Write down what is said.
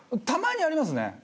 たまにありますね。